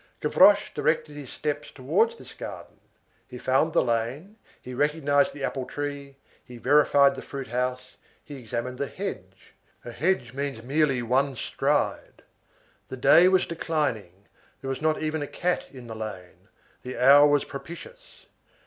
Gavroche directed his steps towards this garden; he found the lane, he recognized the apple tree, he verified the fruit house, he examined the hedge; a hedge means merely one stride. The day was declining, there was not even a cat in the lane, the hour was propitious.